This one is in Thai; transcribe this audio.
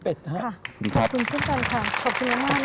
ขอบคุณพี่เป็ดค่ะขอบคุณพี่เป็ดมากนะครับ